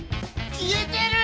消えてる！